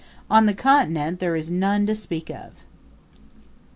On the Continent there is none to speak of.